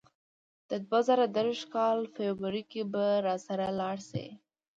د دوه زره درویشت کال فبرورۍ کې به راسره لاړ شې.